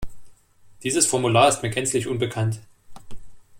Dieses Formular ist mir gänzlich unbekannt.